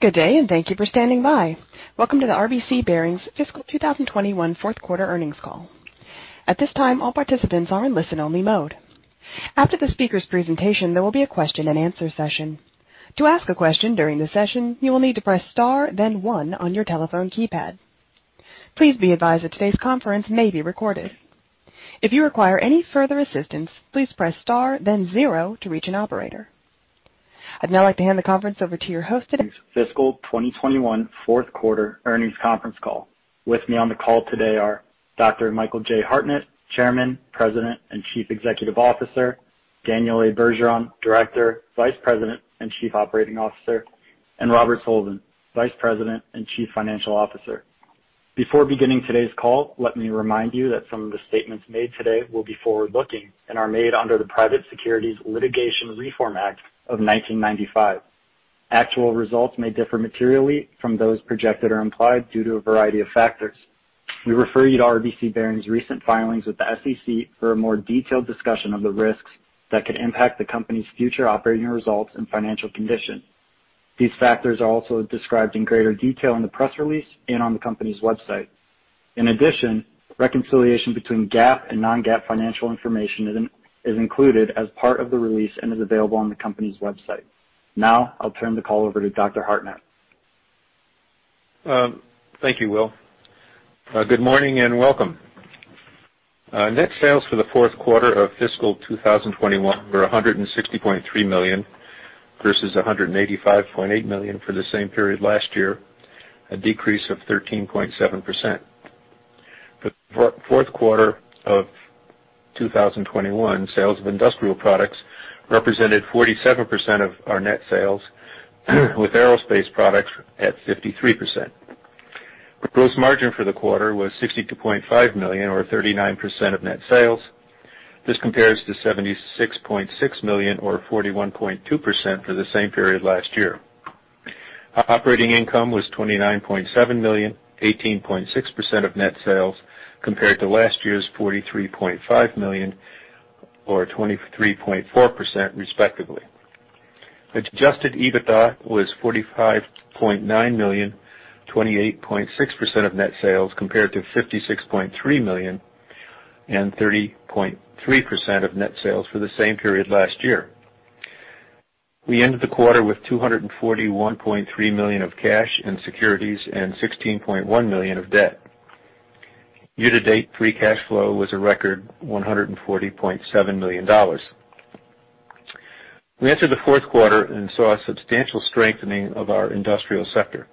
Good day, and thank you for standing by. Welcome to the RBC Bearings Fiscal 2021 Fourth Quarter Earnings Call. At this time, all participants are in listen-only mode. After the speaker's presentation, there will be a question-and-answer session. To ask a question during the session, you will need to press star, then one, on your telephone keypad. Please be advised that today's conference may be recorded. If you require any further assistance, please press star, then zero, to reach an operator. I'd now like to hand the conference over to your host today. Fiscal 2021 fourth quarter earnings conference call. With me on the call today are Dr. Michael J. Hartnett, Chairman, President, and Chief Executive Officer; Daniel Bergeron, Director, Vice President, and Chief Operating Officer; and Robert Sullivan, Vice President and Chief Financial Officer. Before beginning today's call, let me remind you that some of the statements made today will be forward-looking and are made under the Private Securities Litigation Reform Act of 1995. Actual results may differ materially from those projected or implied due to a variety of factors. We refer you to RBC Bearings' recent filings with the SEC for a more detailed discussion of the risks that could impact the company's future operating results and financial condition. These factors are also described in greater detail in the press release and on the company's website. In addition, reconciliation between GAAP and non-GAAP financial information is included as part of the release and is available on the company's website. Now, I'll turn the call over to Dr. Hartnett. Thank you, Will. Good morning and welcome. Net sales for the fourth quarter of fiscal 2021 were $160.3 million versus $185.8 million for the same period last year, a decrease of 13.7%. For the fourth quarter of 2021, sales of Industrial products represented 47% of our net sales, with Aerospace products at 53%. Gross margin for the quarter was $62.5 million or 39% of net sales. This compares to $76.6 million or 41.2% for the same period last year. Operating income was $29.7 million, 18.6% of net sales, compared to last year's $43.5 million or 23.4%, respectively. Adjusted EBITDA was $45.9 million, 28.6% of net sales, compared to $56.3 million and 30.3% of net sales for the same period last year. We ended the quarter with $241.3 million of cash in securities and $16.1 million of debt. Year-to-date free cash flow was a record $140.7 million. We entered the fourth quarter and saw a substantial strengthening of our Industrial sector.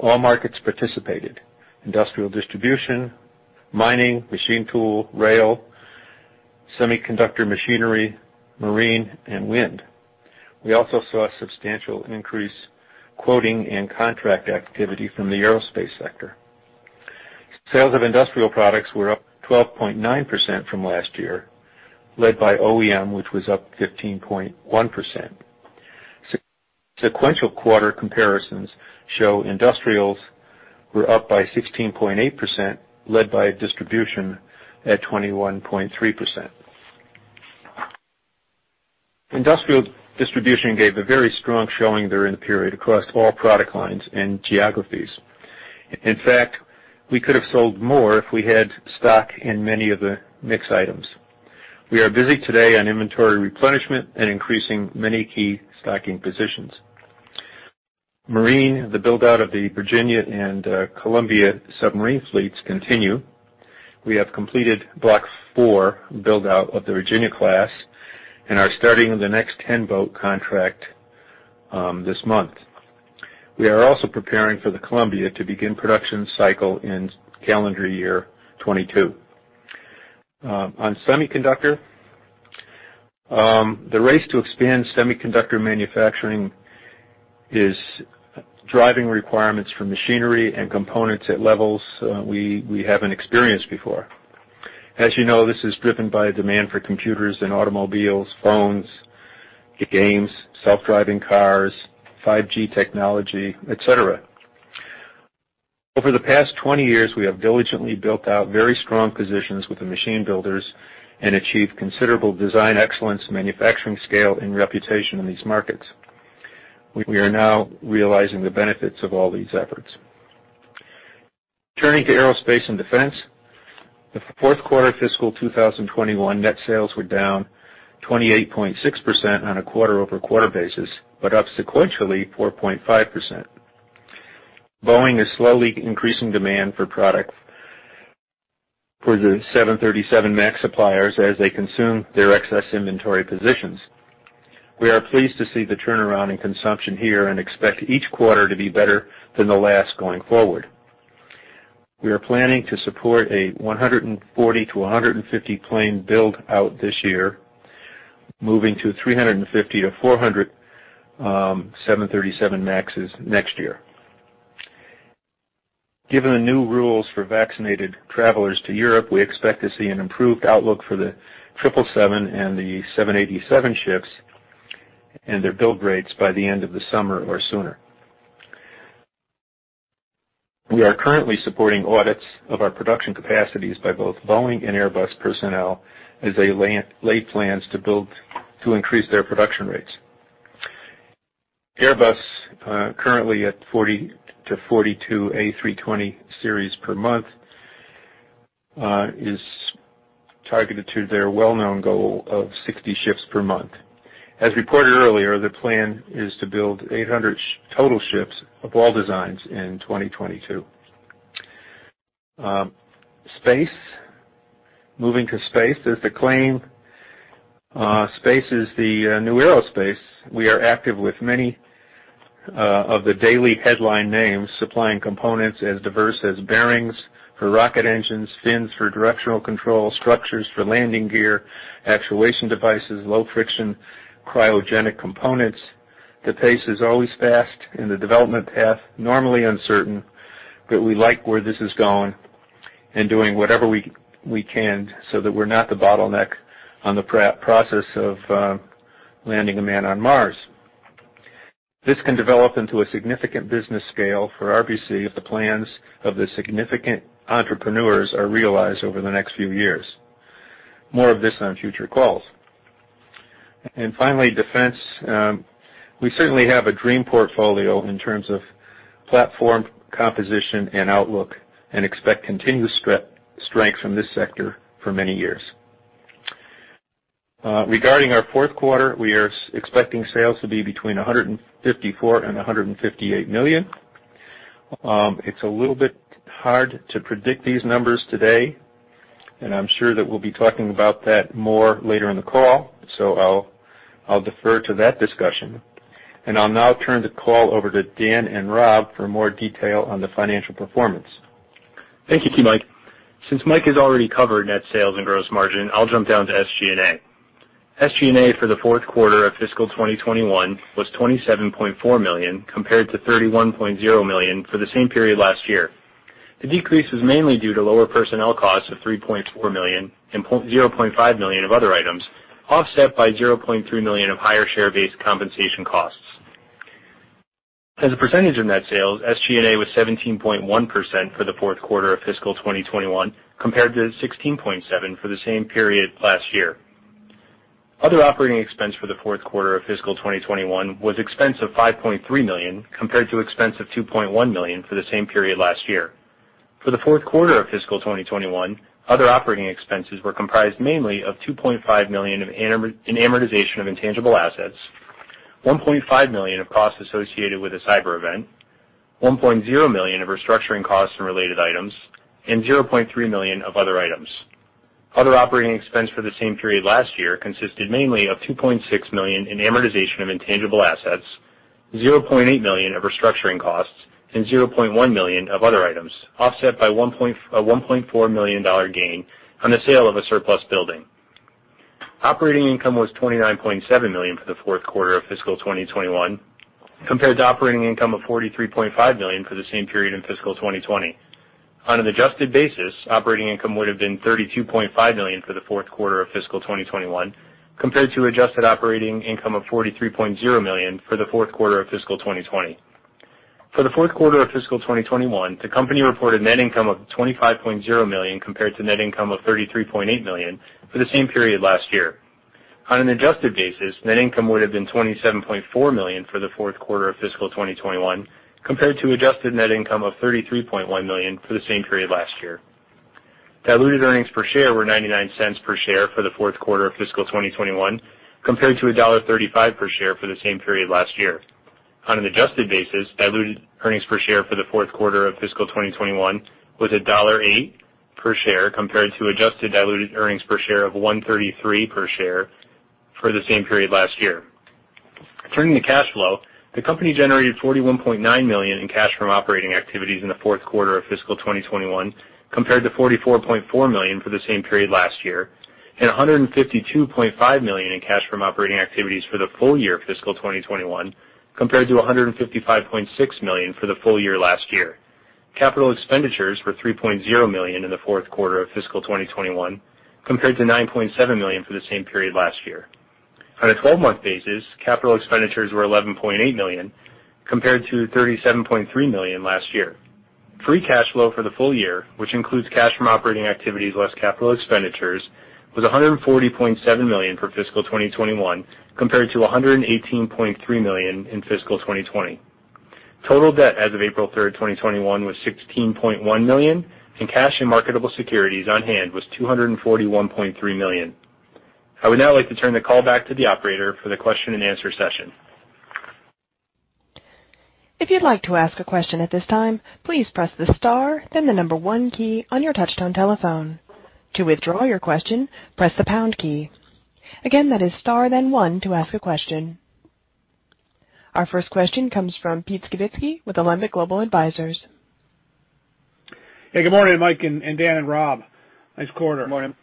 All markets participated: industrial distribution, mining, machine tool, rail, semiconductor machinery, marine, and wind. We also saw a substantial increase in quoting and contract activity from the Aerospace sector. Sales of Industrial products were up 12.9% from last year, led by OEM, which was up 15.1%. Sequential quarter comparisons show industrials were up by 16.8%, led by distribution at 21.3%. Industrial distribution gave a very strong showing during the period across all product lines and geographies. In fact, we could have sold more if we had stock in many of the mixed items. We are busy today on inventory replenishment and increasing many key stocking positions. Marine, the build-out of the Virginia-class and Columbia-class submarine fleets continue. We have completed Block IV build-out of the Virginia-class and are starting the next 10-boat contract this month. We are also preparing for the Columbia to begin production cycle in calendar year 2022. On semiconductor, the race to expand semiconductor manufacturing is driving requirements for machinery and components at levels we haven't experienced before. As you know, this is driven by a demand for computers and automobiles, phones, games, self-driving cars, 5G technology, et cetera. Over the past 20 years, we have diligently built out very strong positions with the machine builders and achieved considerable design excellence, manufacturing scale, and reputation in these markets. We are now realizing the benefits of all these efforts. Turning to Aerospace and Defense, the fourth quarter fiscal 2021 net sales were down 28.6% on a quarter-over-quarter basis, but up sequentially 4.5%. Boeing is slowly increasing demand for products for the 737 MAX suppliers as they consume their excess inventory positions. We are pleased to see the turnaround in consumption here and expect each quarter to be better than the last going forward. We are planning to support a 140-150 plane build-out this year, moving to 350-400 737 MAXs next year. Given the new rules for vaccinated travelers to Europe, we expect to see an improved outlook for the 777 and the 787 ships and their build rates by the end of the summer or sooner. We are currently supporting audits of our production capacities by both Boeing and Airbus personnel as they lay plans to increase their production rates. Airbus, currently at 40-42 A320 series per month, is targeted to their well-known goal of 60 ships per month. As reported earlier, the plan is to build 800 total ships of all designs in 2022. Space, moving to space. As they claim, Space is the new aerospace. We are active with many of the daily headline names, supplying components as diverse as bearings for rocket engines, fins for directional control, structures for landing gear, actuation devices, low-friction cryogenic components. The pace is always fast in the development path, normally uncertain, but we like where this is going and doing whatever we can so that we're not the bottleneck on the process of landing a man on Mars. This can develop into a significant business scale for RBC if the plans of the significant entrepreneurs are realized over the next few years. More of this on future calls. And finally, Defense. We certainly have a dream portfolio in terms of platform composition and outlook and expect continued strength from this sector for many years. Regarding our fourth quarter, we are expecting sales to be between $154-$158 million. It's a little bit hard to predict these numbers today, and I'm sure that we'll be talking about that more later in the call, so I'll defer to that discussion. I'll now turn the call over to Dan and Rob for more detail on the financial performance. Thank you, Mike. Since Mike has already covered net sales and gross margin, I'll jump down to SG&A. SG&A for the fourth quarter of fiscal 2021 was $27.4 million compared to $31.0 million for the same period last year. The decrease was mainly due to lower personnel costs of $3.4 million and $0.5 million of other items, offset by $0.3 million of higher share-based compensation costs. As a percentage of net sales, SG&A was 17.1% for the fourth quarter of fiscal 2021 compared to 16.7% for the same period last year. Other operating expense for the fourth quarter of fiscal 2021 was expense of $5.3 million compared to expense of $2.1 million for the same period last year. For the fourth quarter of fiscal 2021, other operating expenses were comprised mainly of $2.5 million in amortization of intangible assets, $1.5 million of costs associated with a cyber event, $1.0 million of restructuring costs and related items, and $0.3 million of other items. Other operating expense for the same period last year consisted mainly of $2.6 million in amortization of intangible assets, $0.8 million of restructuring costs, and $0.1 million of other items, offset by a $1.4 million gain on the sale of a surplus building. Operating income was $29.7 million for the fourth quarter of fiscal 2021 compared to operating income of $43.5 million for the same period in fiscal 2020. On an adjusted basis, operating income would have been $32.5 million for the fourth quarter of fiscal 2021 compared to adjusted operating income of $43.0 million for the fourth quarter of fiscal 2020. For the fourth quarter of fiscal 2021, the company reported net income of $25.0 million compared to net income of $33.8 million for the same period last year. On an adjusted basis, net income would have been $27.4 million for the fourth quarter of fiscal 2021 compared to adjusted net income of $33.1 million for the same period last year. Diluted earnings per share were $0.99 per share for the fourth quarter of fiscal 2021 compared to $1.35 per share for the same period last year. On an adjusted basis, diluted earnings per share for the fourth quarter of fiscal 2021 was $1.08 per share compared to adjusted diluted earnings per share of $1.33 per share for the same period last year. Turning to cash flow, the company generated $41.9 million in cash from operating activities in the fourth quarter of fiscal 2021 compared to $44.4 million for the same period last year and $152.5 million in cash from operating activities for the full year of fiscal 2021 compared to $155.6 million for the full year last year. Capital expenditures were $3.0 million in the fourth quarter of fiscal 2021 compared to $9.7 million for the same period last year. On a 12-month basis, capital expenditures were $11.8 million compared to $37.3 million last year. Free Cash Flow for the full year, which includes cash from operating activities less capital expenditures, was $140.7 million for fiscal 2021 compared to $118.3 million in fiscal 2020. Total debt as of April 3, 2021, was $16.1 million, and cash in marketable securities on hand was $241.3 million. I would now like to turn the call back to the operator for the question-and-answer session. If you'd like to ask a question at this time, please press the star, then the number one key on your touch-tone telephone. To withdraw your question, press the pound key. Again, that is star then one to ask a question. Our first question comes from Pete Skibitski with Alembic Global Advisors. Yeah, good morning, Mike and Dan and Rob. Nice quarter. Good morning.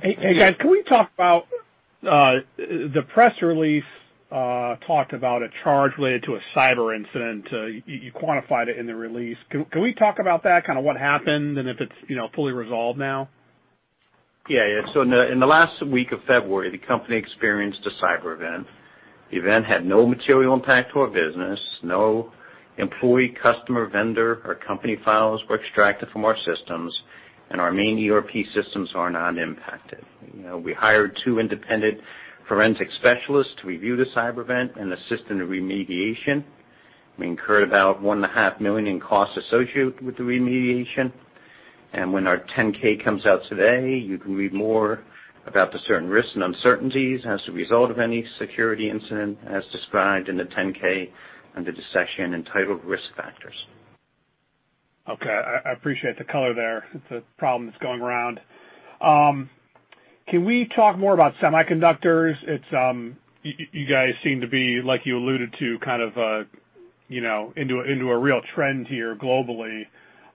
Hey, guys, can we talk about the press release talked about a charge related to a cyber incident? You quantified it in the release. Can we talk about that, kind of what happened and if it's fully resolved now? Yeah, yeah. So in the last week of February, the company experienced a cyber event. The event had no material impact to our business. No employee, customer, vendor, or company files were extracted from our systems, and our main ERP systems are not impacted. We hired two independent forensic specialists to review the cyber event and assist in the remediation. We incurred about $1.5 million in costs associated with the remediation. And, when our 10-K comes out today, you can read more about the certain risks and uncertainties as a result of any security incident as described in the 10-K under the section entitled Risk Factors. Okay. I appreciate the color there. It's a problem that's going around. Can we talk more about semiconductors? You guys seem to be, like you alluded to, kind of into a real trend here globally.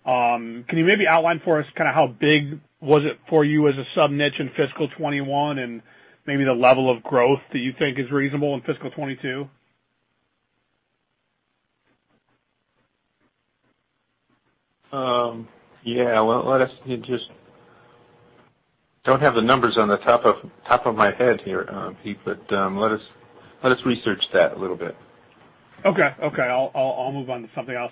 Can you maybe outline for us kind of how big was it for you as a sub-niche in fiscal 2021 and maybe the level of growth that you think is reasonable in fiscal 2022? Yeah, well, let us just don't have the numbers on the top of my head here, Pete, but let us research that a little bit. Okay, okay. I'll move on to something else.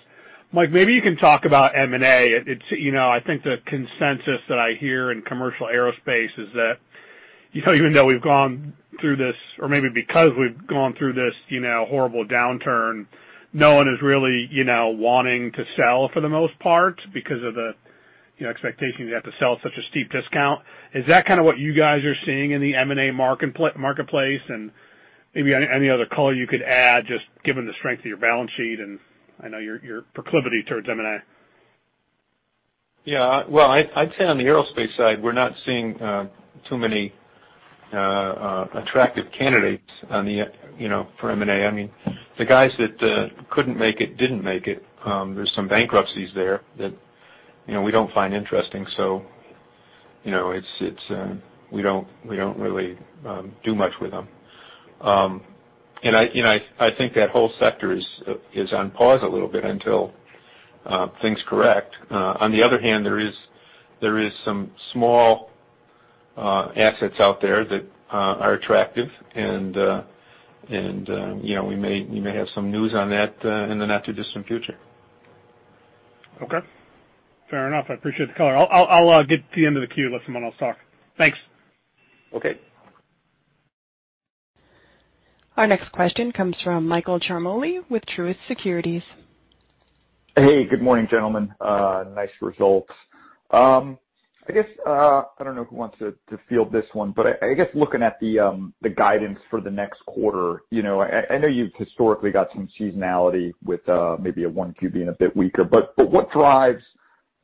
Mike, maybe you can talk about M&A. I think the consensus that I hear in commercial aerospace is that even though we've gone through this or maybe because we've gone through this horrible downturn, no one is really wanting to sell for the most part because of the expectation you have to sell at such a steep discount. Is that kind of what you guys are seeing in the M&A marketplace? And maybe any other color you could add just given the strength of your balance sheet and I know your proclivity towards M&A. Yeah, well, I'd say on the Aerospace side, we're not seeing too many attractive candidates for M&A. I mean, the guys that couldn't make it didn't make it. There's some bankruptcies there that we don't find interesting, so we don't really do much with them. And, I think that whole sector is on pause a little bit until things correct. On the other hand, there are some small assets out there that are attractive, and we may have some news on that in the not-too-distant future. Okay. Fair enough. I appreciate the color. I'll get to the end of the queue to let someone else talk. Thanks. Okay. Our next question comes from Michael Ciarmoli with Truist Securities. Hey, good morning, gentlemen. Nice results. I guess I don't know who wants to field this one, but I guess looking at the guidance for the next quarter, I know you've historically got some seasonality with maybe a 1Q being a bit weaker, but what drives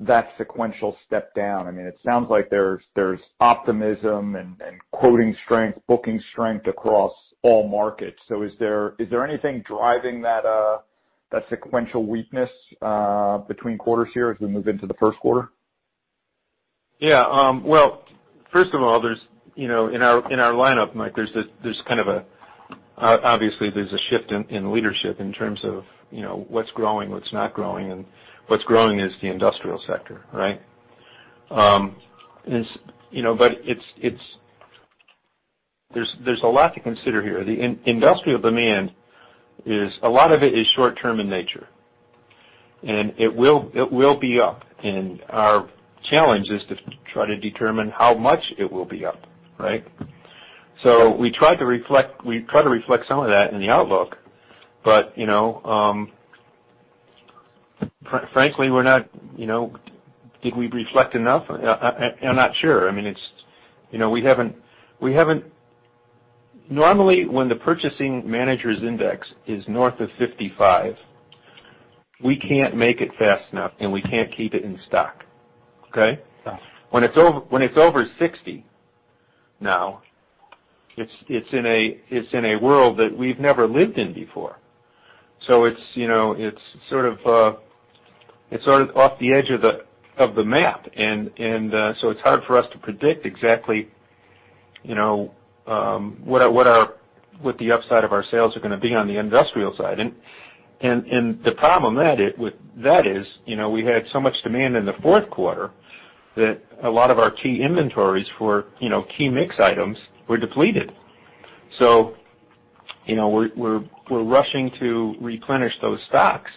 that sequential step down? I mean, it sounds like there's optimism and quoting strength, booking strength across all markets. So, is there anything driving that sequential weakness between quarters here as we move into the first quarter? Yeah. Well, first of all, in our lineup, Mike, there's kind of obviously, there's a shift in leadership in terms of what's growing, what's not growing. And, what's growing is the industrial sector, right? But, there's a lot to consider here. The industrial demand, a lot of it is short-term in nature, and it will be up. And, our challenge is to try to determine how much it will be up, right? So, we try to reflect some of that in the outlook, but frankly, did we reflect enough? I'm not sure. I mean, we haven't normally, when the Purchasing Managers' Index is north of 55, we can't make it fast enough, and we can't keep it in stock, okay? When it's over 60 now, it's in a world that we've never lived in before. So, it's sort of off the edge of the map, and so it's hard for us to predict exactly what the upside of our sales are going to be on the industrial side. And, the problem with that is we had so much demand in the fourth quarter that a lot of our key inventories for key mix items were depleted. So, we're rushing to replenish those stocks,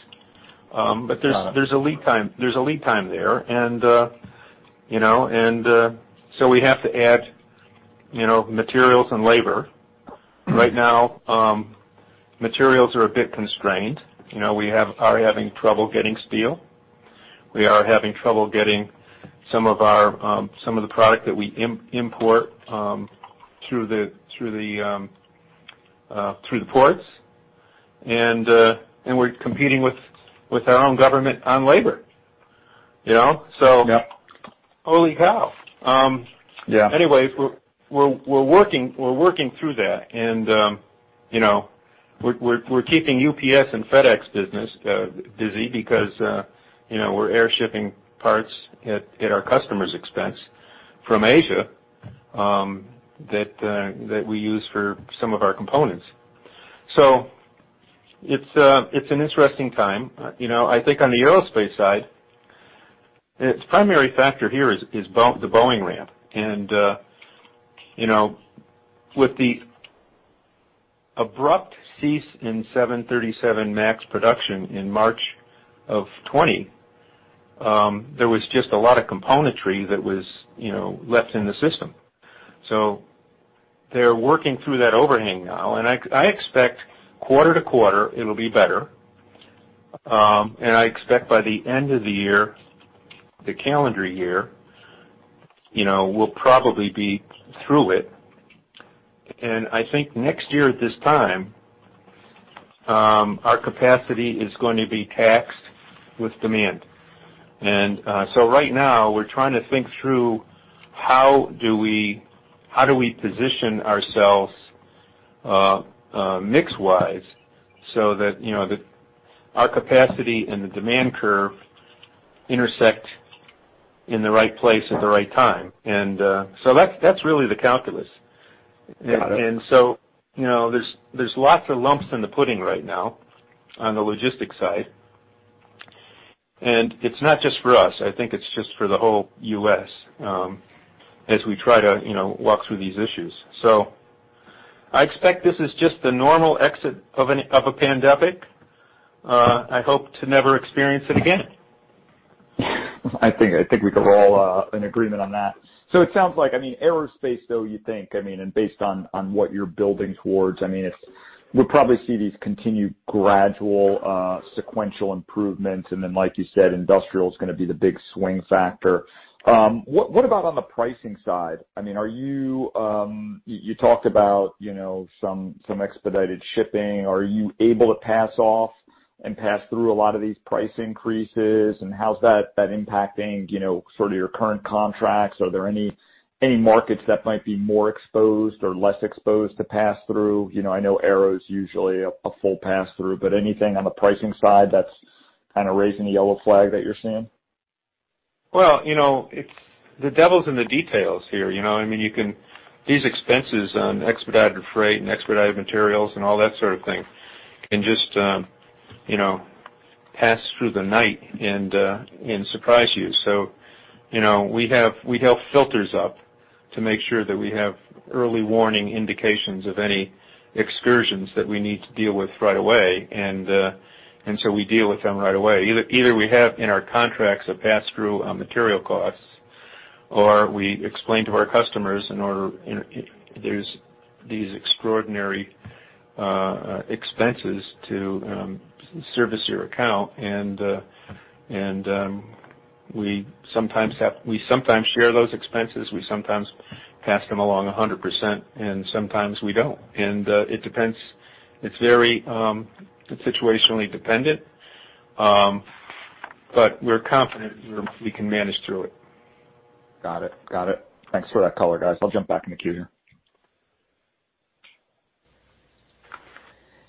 but there's a lead time there. And, so we have to add materials and labor. Right now, materials are a bit constrained. We are having trouble getting steel. We are having trouble getting some of the product that we import through the ports, and we're competing with our own government on labor. So, holy cow! Anyway, we're working through that, and we're keeping UPS and FedEx business busy because we're air shipping parts at our customers' expense from Asia that we use for some of our components. So, it's an interesting time. I think on the Aerospace side, the primary factor here is the Boeing ramp. And with the abrupt cease in 737 MAX production in March of 2020, there was just a lot of componentry that was left in the system. So, they're working through that overhang now, and I expect quarter to quarter, it'll be better. And, I expect by the end of the year, the calendar year, we'll probably be through it. And, I think next year at this time, our capacity is going to be taxed with demand. And so, right now, we're trying to think through how do we position ourselves mix-wise so that our capacity and the demand curve intersect in the right place at the right time. And so, that's really the calculus. And so there's lots of lumps in the pudding right now on the logistics side. And, it's not just for us. I think it's just for the whole U.S. as we try to walk through these issues. So, I expect this is just the normal exit of a pandemic. I hope to never experience it again. I think we could all be in agreement on that. So, it sounds like—I mean, aerospace, though, you think—I mean, and based on what you're building towards, I mean, we'll probably see these continued gradual, sequential improvements. And then, like you said, industrial is going to be the big swing factor. What about on the pricing side? I mean, are you? You talked about some expedited shipping. Are you able to pass off and pass through a lot of these price increases? And how's that impacting sort of your current contracts? Are there any markets that might be more exposed or less exposed to pass-through? I know aero is usually a full pass-through, but anything on the pricing side that's kind of raising the yellow flag that you're seeing? Well, the devil's in the details here. I mean, these expenses on expedited freight and expedited materials and all that sort of thing can just pass through the night and surprise you. So, we have filters up to make sure that we have early warning indications of any excursions that we need to deal with right away, and so we deal with them right away. Either we have in our contracts a pass-through on material costs, or we explain to our customers in order there's these extraordinary expenses to service your account. We sometimes share those expenses. We sometimes pass them along 100%, and sometimes we don't. It's very situationally dependent, but we're confident we can manage through it. Got it. Got it. Thanks for that color, guys. I'll jump back in the queue here.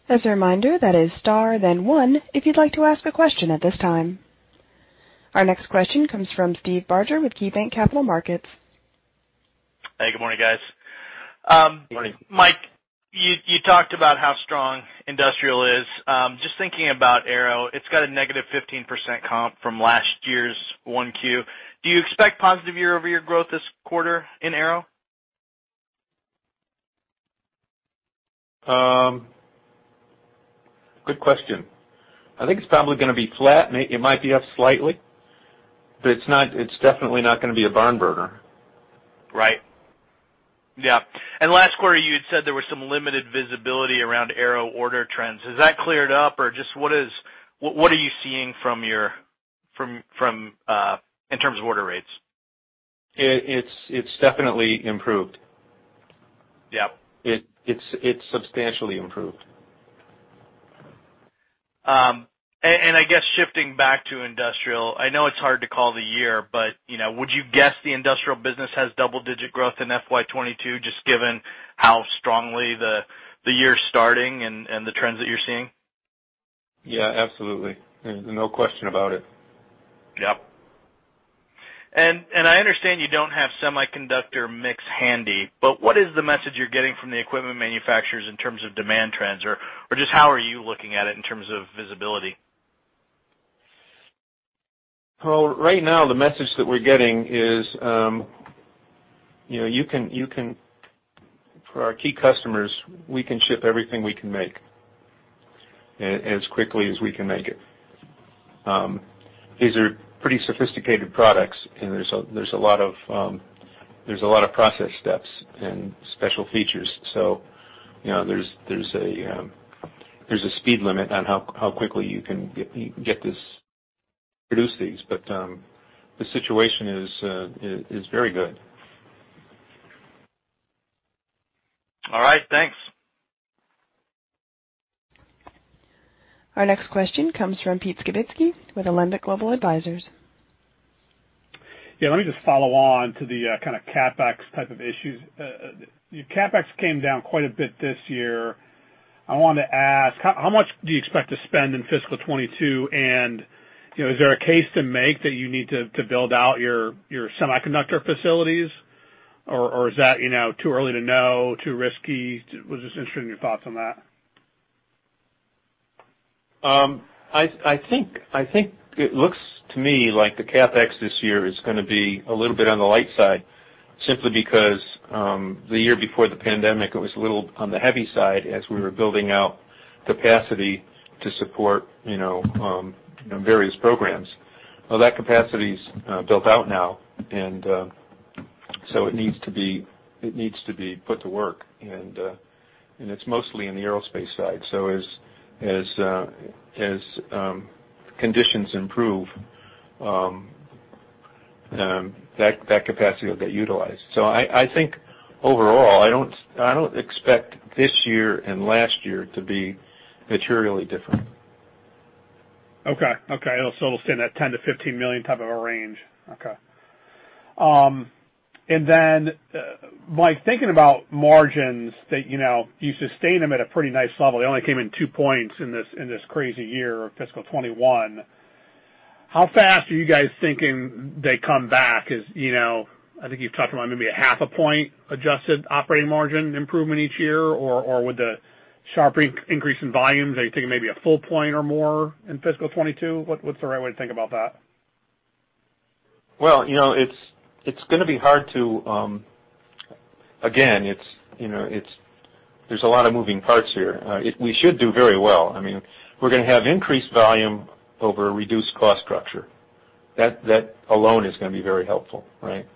As a reminder, that is star, then one if you'd like to ask a question at this time. Our next question comes from Steve Barger with KeyBanc Capital Markets. Hey, good morning, guys. Good morning. Mike, you talked about how strong industrial is. Just thinking about aero, it's got a -15% comp from last year's 1Q. Do you expect positive year-over-year growth this quarter in aero? Good question. I think it's probably going to be flat. It might be up slightly, but it's definitely not going to be a barn burner. Right. Yeah. And, last quarter, you had said there was some limited visibility around aero order trends. Has that cleared up, or just what are you seeing in terms of order rates? It's definitely improved. It's substantially improved. I guess shifting back to industrial, I know it's hard to call the year, but would you guess the industrial business has double-digit growth in FY 2022 just given how strongly the year's starting and the trends that you're seeing? Yeah, absolutely. There's no question about it. Yep. I understand you don't have semiconductor mix handy, but what is the message you're getting from the equipment manufacturers in terms of demand trends, or just how are you looking at it in terms of visibility? Well, right now, the message that we're getting is you can for our key customers, we can ship everything we can make as quickly as we can make it. These are pretty sophisticated products, and there's a lot of process steps and special features. So, there's a speed limit on how quickly you can get this produce these, but the situation is very good. All right. Thanks. Our next question comes from Pete Skibitski with Alembic Global Advisors. Yeah, let me just follow on to the kind of CapEx type of issues. CapEx came down quite a bit this year. I wanted to ask, how much do you expect to spend in fiscal 2022, and is there a case to make that you need to build out your semiconductor facilities, or is that too early to know, too risky? I was just interested in your thoughts on that. I think it looks to me like the CapEx this year is going to be a little bit on the light side simply because the year before the pandemic, it was a little on the heavy side as we were building out capacity to support various programs. Well, that capacity's built out now, and so it needs to be put to work, and it's mostly in the Aerospace side. So, as conditions improve, that capacity will get utilized. So, I think overall, I don't expect this year and last year to be materially different. Okay. Okay. So it'll stay in that $10 million-$15 million type of a range. Okay. And then, Mike, thinking about margins, you sustained them at a pretty nice level. They only came in two points in this crazy year of fiscal 2021. How fast are you guys thinking they come back? I think you've talked about maybe a half a point adjusted operating margin improvement each year, or with the sharp increase in volumes, are you thinking maybe a full point or more in fiscal 2022? What's the right way to think about that? Well, it's going to be hard to again, there's a lot of moving parts here. We should do very well. I mean, we're going to have increased volume over reduced cost structure. That alone is going to be very helpful, right?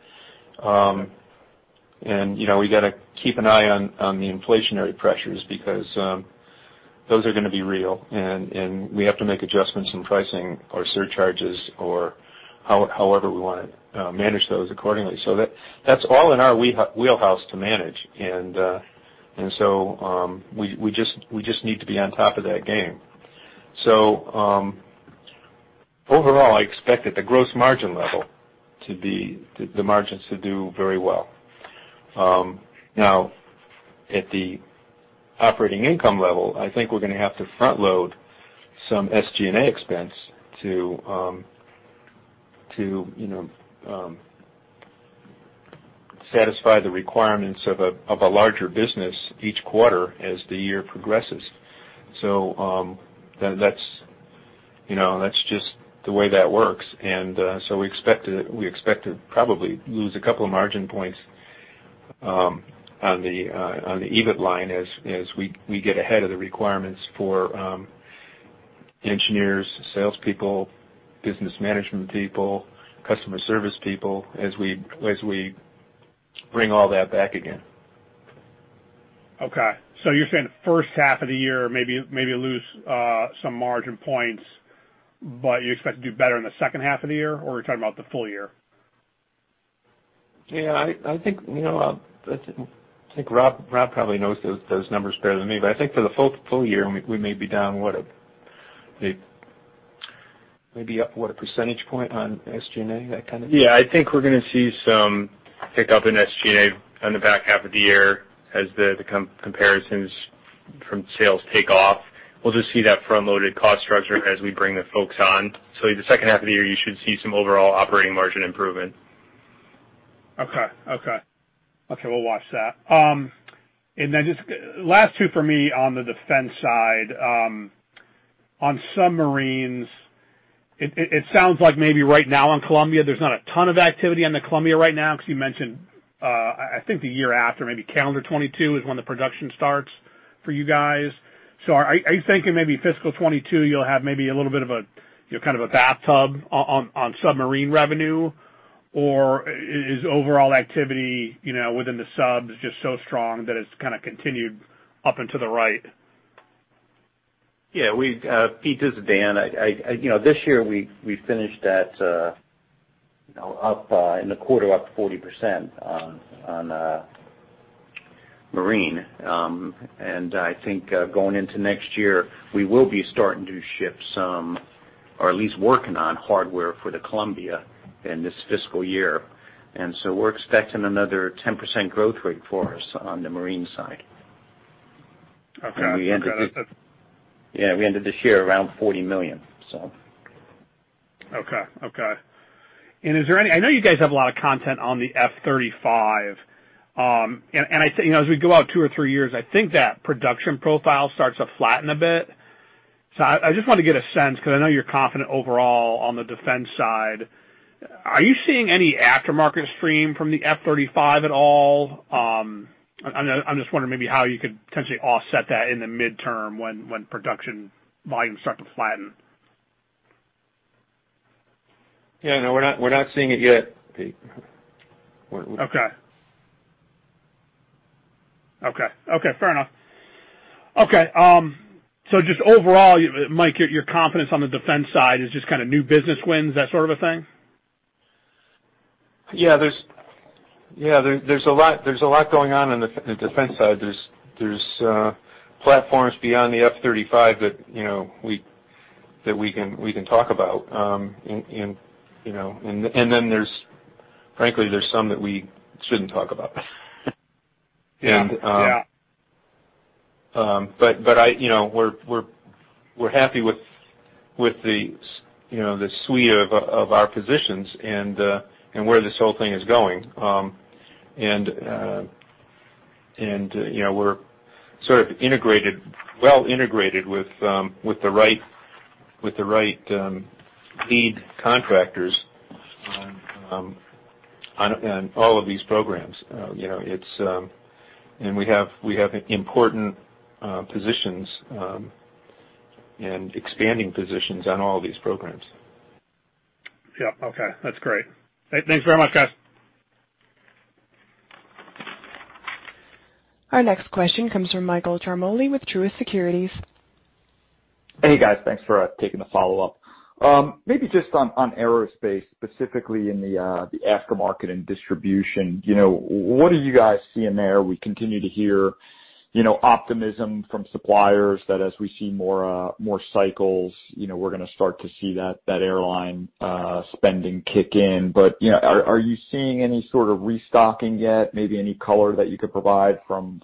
And, we got to keep an eye on the inflationary pressures because those are going to be real, and we have to make adjustments in pricing or surcharges or however we want to manage those accordingly. So, that's all in our wheelhouse to manage, and so we just need to be on top of that game. So, overall, I expect at the gross margin level to be the margins to do very well. Now, at the operating income level, I think we're going to have to front-load some SG&A expense to satisfy the requirements of a larger business each quarter as the year progresses. So, that's just the way that works. And so, we expect to probably lose a couple of margin points on the EBIT line as we get ahead of the requirements for engineers, salespeople, business management people, customer service people as we bring all that back again. Okay. So, you're saying the first half of the year, maybe lose some margin points, but you expect to do better in the second half of the year, or are you talking about the full year? Yeah. I think Rob probably knows those numbers better than me, but I think for the full year, we may be down what a maybe up what a percentage point on SG&A, that kind of thing? Yeah. I think we're going to see some pickup in SG&A on the back half of the year as the comparisons from sales take off. We'll just see that front-loaded cost structure as we bring the folks on. So, the second half of the year, you should see some overall operating margin improvement. Okay. Okay. Okay. We'll watch that. And then, just last two for me on the Defense side. On submarines, it sounds like maybe right now on Columbia, there's not a ton of activity on the Columbia right now because you mentioned I think the year after, maybe calendar 2022 is when the production starts for you guys. So, are you thinking maybe fiscal 2022, you'll have maybe a little bit of a kind of a bathtub on submarine revenue, or is overall activity within the subs just so strong that it's kind of continued up and to the right? Yeah. Pete, this is Dan. This year, we finished that up in the quarter up 40% on marine. And, I think going into next year, we will be starting to ship some or at least working on hardware for the Columbia in this fiscal year. And so, we're expecting another 10% growth rate for us on the marine side. And we ended- Okay. Okay. That's good. Yeah. We ended this year around $40 million, so. Okay. Okay. And, is there any? I know you guys have a lot of content on the F-35. And, I think as we go out two or three years, I think that production profile starts to flatten a bit. So, I just wanted to get a sense because I know you're confident overall on the defense side. Are you seeing any aftermarket stream from the F-35 at all? I'm just wondering maybe how you could potentially offset that in the midterm when production volume starts to flatten. Yeah. No. We're not seeing it yet, Pete. Okay. Okay. Okay. Fair enough. Okay. So, just overall, Mike, your confidence on the Defense side is just kind of new business wins, that sort of a thing? Yeah. Yeah. There's a lot going on on the Defense side. There's platforms beyond the F-35 that we can talk about. And then, frankly, there's some that we shouldn't talk about. And, but we're happy with the suite of our positions and where this whole thing is going. And, we're sort of well-integrated with the right lead contractors on all of these programs. And we have important positions and expanding positions on all of these programs. Yep. Okay. That's great. Hey, thanks very much, guys. Our next question comes from Michael Ciarmoli with Truist Securities. Hey, guys. Thanks for taking the follow-up. Maybe just on Aerospace, specifically in the aftermarket and distribution, what are you guys seeing there? We continue to hear optimism from suppliers that as we see more cycles, we're going to start to see that airline spending kick in. But, are you seeing any sort of restocking yet, maybe any color that you could provide from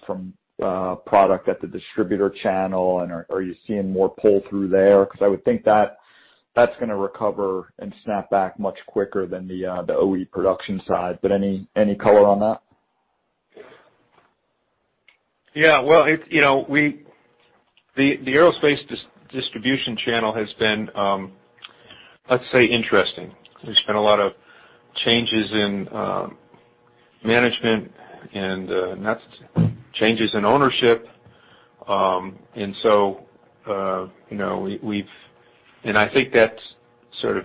product at the distributor channel, and are you seeing more pull-through there? Because I would think that's going to recover and snap back much quicker than the OE production side. But any color on that? Yeah. Well, the Aerospace distribution channel has been, let's say, interesting. There's been a lot of changes in management and changes in ownership. And so we've and I think that's sort of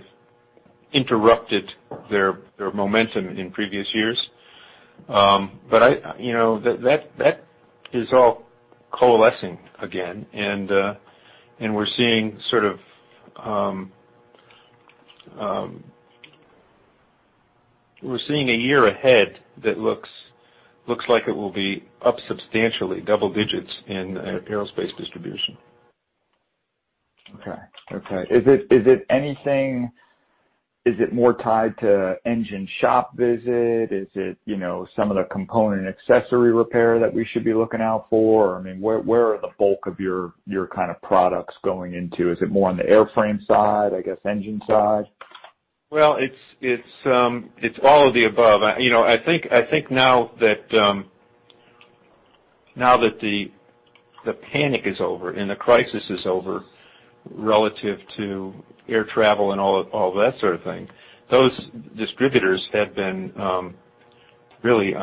interrupted their momentum in previous years. But, that is all coalescing again, and we're seeing sort of a year ahead that looks like it will be up substantially, double digits in aerospace distribution. Okay. Okay. Is it anything? Is it more tied to engine shop visit? Is it some of the component accessory repair that we should be looking out for? I mean, where are the bulk of your kind of products going into? Is it more on the airframe side, I guess, engine side? Well, it's all of the above. I think now that the panic is over and the crisis is over relative to air travel and all that sort of thing, those distributors have been really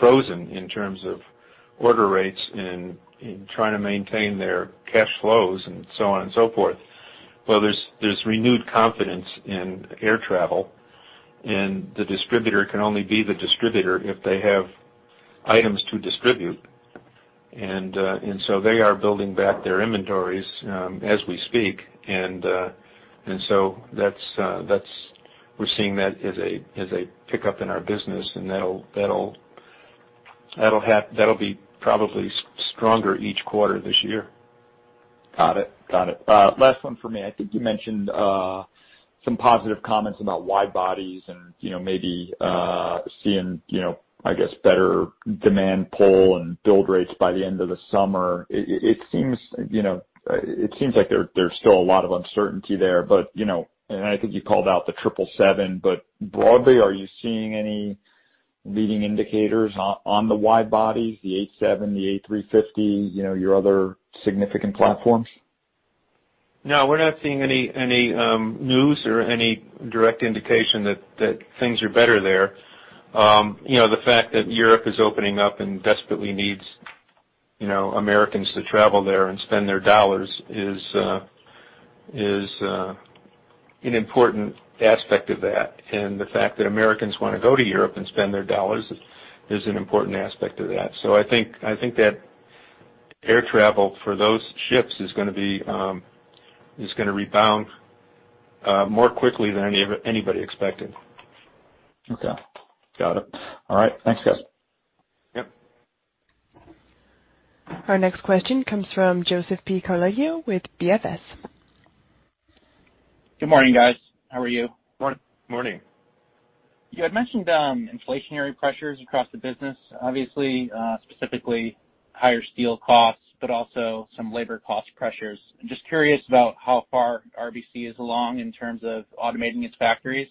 frozen in terms of order rates and trying to maintain their cash flows and so on and so forth. Well, there's renewed confidence in air travel, and the distributor can only be the distributor if they have items to distribute. And so, they are building back their inventories as we speak. And so, we're seeing that as a pickup in our business, and that'll be probably stronger each quarter this year. Got it. Got it. Last one for me. I think you mentioned some positive comments about wide bodies and maybe seeing, I guess, better demand pull and build rates by the end of the summer. It seems like there's still a lot of uncertainty there. And I think you called out the 777, but broadly, are you seeing any leading indicators on the wide bodies, the 787, the A350, your other significant platforms? No. We're not seeing any news or any direct indication that things are better there. The fact that Europe is opening up and desperately needs Americans to travel there and spend their dollars is an important aspect of that. And, the fact that Americans want to go to Europe and spend their dollars is an important aspect of that. So, I think that air travel for those ships is going to rebound more quickly than anybody expected. Okay. Got it. All right. Thanks, guys. Yep. Our next question comes from Joseph P. Ciarleglio with BFS. Good morning, guys. How are you? Morning. You had mentioned inflationary pressures across the business, obviously, specifically higher steel costs, but also some labor cost pressures. Just curious about how far RBC is along in terms of automating its factories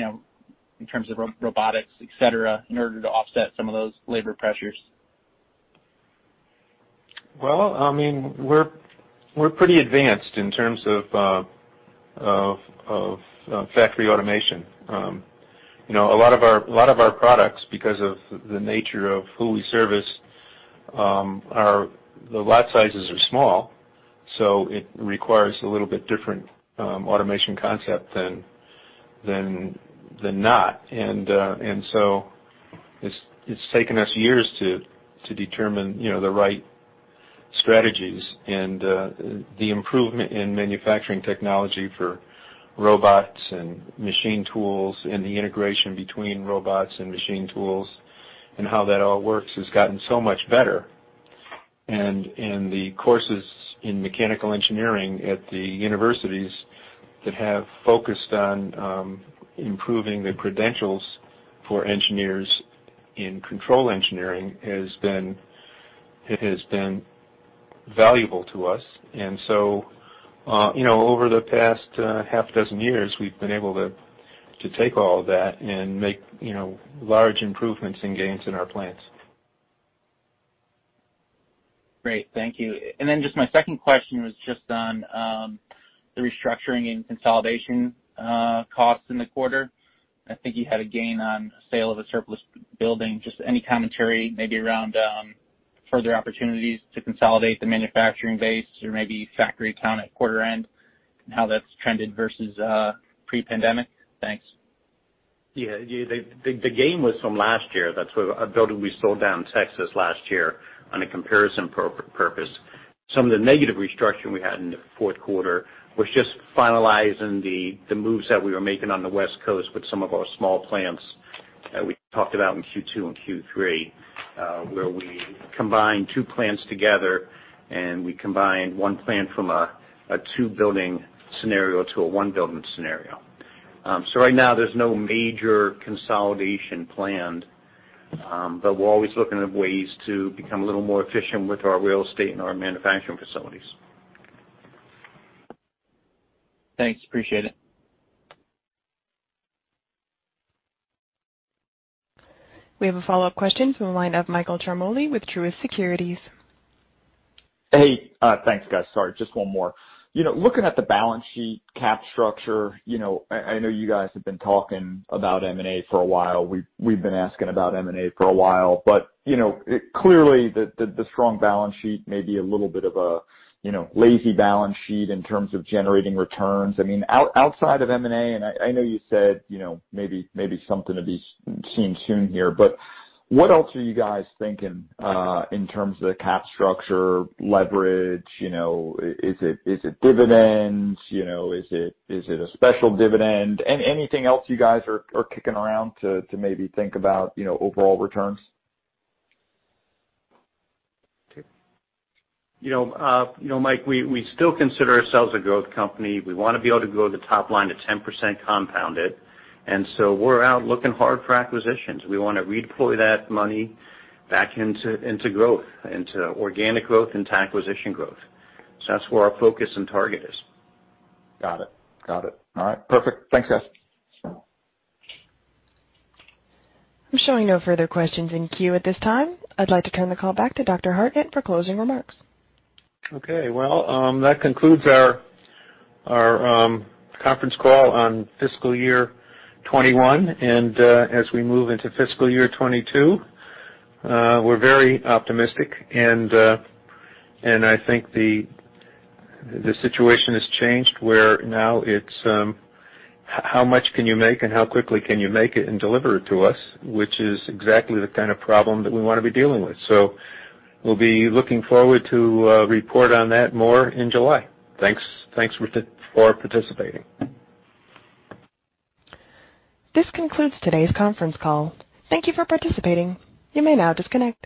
in terms of robotics, etc., in order to offset some of those labor pressures. Well, I mean, we're pretty advanced in terms of factory automation. A lot of our products, because of the nature of who we service, the lot sizes are small, so it requires a little bit different automation concept than not. And so, it's taken us years to determine the right strategies. And, the improvement in manufacturing technology for robots and machine tools and the integration between robots and machine tools and how that all works has gotten so much better. And, the courses in mechanical engineering at the universities that have focused on improving the credentials for engineers in control engineering has been valuable to us. And so, over the past half a dozen years, we've been able to take all of that and make large improvements and gains in our plants. Great. Thank you. Then just my second question was just on the restructuring and consolidation costs in the quarter. I think you had a gain on sale of a surplus building. Just any commentary maybe around further opportunities to consolidate the manufacturing base or maybe factory count at quarter end and how that's trended versus pre-pandemic. Thanks. Yeah. The gain was from last year. That's a building we sold down in Texas last year on a comparison purpose. Some of the negative restructuring we had in the fourth quarter was just finalizing the moves that we were making on the West Coast with some of our small plants that we talked about in Q2 and Q3 where we combined two plants together, and we combined one plant from a two-building scenario to a one-building scenario. So, right now, there's no major consolidation planned, but we're always looking at ways to become a little more efficient with our real estate and our manufacturing facilities. Thanks. Appreciate it. We have a follow-up question from the line of Michael Ciarmoli with Truist Securities. Hey. Thanks, guys. Sorry. Just one more. Looking at the balance sheet cap structure, I know you guys have been talking about M&A for a while. We've been asking about M&A for a while. But, clearly, the strong balance sheet may be a little bit of a lazy balance sheet in terms of generating returns. I mean, outside of M&A and I know you said maybe something to be seen soon here, but what else are you guys thinking in terms of the cap structure, leverage? Is it dividends? Is it a special dividend? Anything else you guys are kicking around to maybe think about overall returns? Mike, we still consider ourselves a growth company. We want to be able to grow the top line to 10% compounded. And so we're out looking hard for acquisitions. We want to redeploy that money back into growth, into organic growth, and to acquisition growth. So, that's where our focus and target is. Got it. Got it. All right. Perfect. Thanks, guys. I'm showing no further questions in queue at this time. I'd like to turn the call back to Dr. Hartnett for closing remarks. Okay. Well, that concludes our conference call on fiscal year 2021. And as we move into fiscal year 2022, we're very optimistic. And, I think the situation has changed where now it's how much can you make and how quickly can you make it and deliver it to us, which is exactly the kind of problem that we want to be dealing with. So, we'll be looking forward to report on that more in July. Thanks for participating. This concludes today's conference call. Thank you for participating. You may now disconnect.